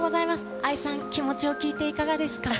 愛さん、気持ちを聞いていかがですか。